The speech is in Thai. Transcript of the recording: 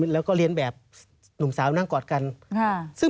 แล้วก็เรียนแบบหนุ่มสาวนั่งกอดกัน